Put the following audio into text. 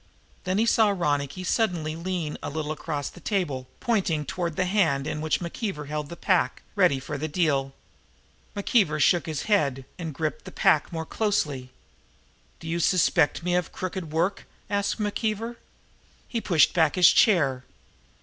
Then he saw Ronicky Doone suddenly lean a little across the table, pointing toward the hand in which McKeever held the pack, ready for the deal. McKeever shook his head and gripped the pack more closely. "Do you suspect me of crooked work?" asked McKeever. He pushed back his chair.